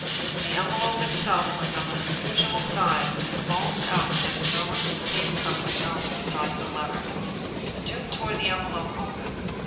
The envelope itself was of an unusual size, and bulged out as though it contained something else besides a letter. The duke tore the envelope open.